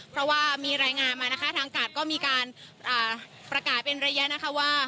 เพราะว่ามีรายงานมานะคะทางกาดก็มีการประกาศเป็นระยะนะคะว่า